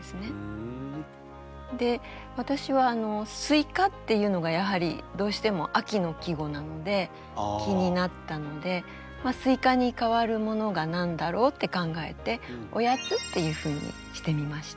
で私は「スイカ」っていうのがやはりどうしても秋の季語なので気になったので「スイカ」に代わるものが何だろうって考えて「おやつ」っていうふうにしてみました。